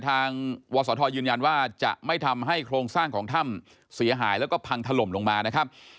ทางวศธยืนยันว่าจะไม่ทำให้โครงสร้างของถ้ำเสียหายแล้วก็พังถล่มลงมานะครับ